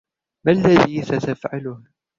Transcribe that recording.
ما الذي ستفعله ؟